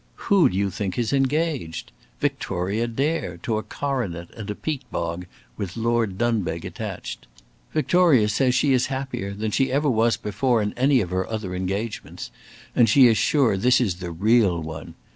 Who do you think is engaged? Victoria Dare, to a coronet and a peat bog, with Lord Dunbeg attached. Victoria says she is happier than she ever was before in any of her other engagements, and she is sure this is the real one.